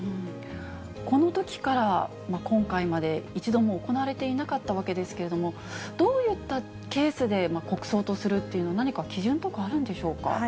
このときから今回まで、一度も行われていなかったわけですけれども、どういったケースで国葬とするっていうのは、何か基準とかあるんでしょうか。